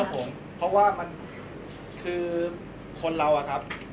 ไม่ครับผมเพราะว่าคือคนเราอะครับ